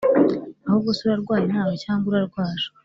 ahubwo se urarwaye nawe cg urarwaje?"